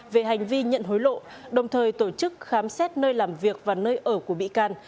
về hành vi nhận hối lộ đồng thời tổ chức khám xét nơi làm việc và nơi ở của bị can